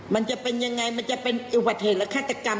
มันจะเป็นยังไงมันจะเป็นอุบัติเหตุและฆาตกรรม